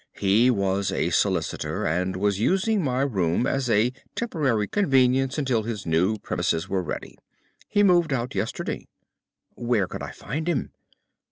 He was a solicitor and was using my room as a temporary convenience until his new premises were ready. He moved out yesterday.' "'Where could I find him?